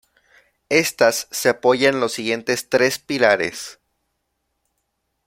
Estas se apoyan en los siguientes tres "pilares".